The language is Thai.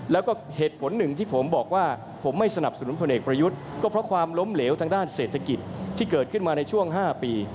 แล้วก็เหตุผลหนึ่งที่ผมบอกว่าผมไม่สนับสนุนพลเอกประยุทธ์ก็เพราะความล้มเหลวทางด้านเศรษฐกิจที่เกิดขึ้นมาในช่วง๕ปี